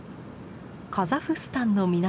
カザフスタンの南